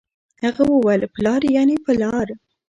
هغه وويل پلار يعنې په لار